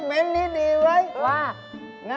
บ้าไม่ได้เก็บไว้